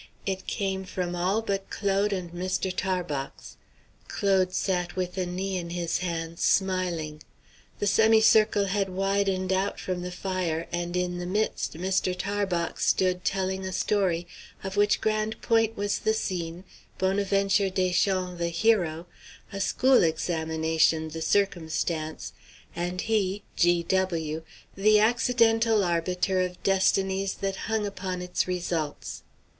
It came from all but Claude and Mr. Tarbox. Claude sat with a knee in his hands, smiling. The semicircle had widened out from the fire, and in the midst Mr. Tarbox stood telling a story, of which Grande Pointe was the scene, Bonaventure Deschamps the hero, a school examination the circumstance, and he, G. W., the accidental arbiter of destinies that hung upon its results.